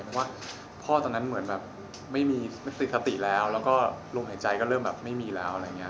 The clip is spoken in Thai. เพราะว่าพ่อตอนนั้นเหมือนแบบไม่มีสติแล้วแล้วก็ลมหายใจก็เริ่มแบบไม่มีแล้วอะไรอย่างนี้